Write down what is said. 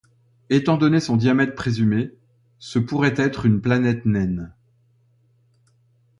Étant donné son diamètre présumé, ce pourrait être une planète naine.